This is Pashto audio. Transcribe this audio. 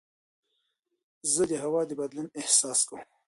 زه د هوا د بدلون احساس کوم.